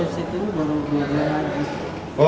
satu tahun baru keluar